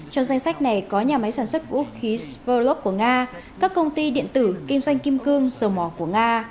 trong danh sách này có nhà máy sản xuất vũ khí sverlov của nga các công ty điện tử kinh doanh kim cương sầu mỏ của nga